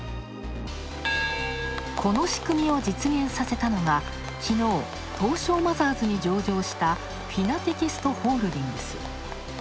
この仕組みを実現させたのがきのう、東証マザーズに上場したＦｉｎａｔｅｘｔホールディングス。